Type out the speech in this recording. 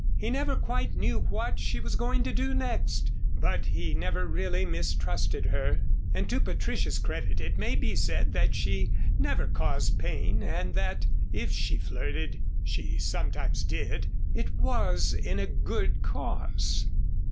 He never quite knew what she was going to do next, but he never really mistrusted her. And to Patricia's credit it may be said that she never caused pain and that if she flirted she sometimes did it was in a good cause.